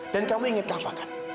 dan kamu ingat kava kan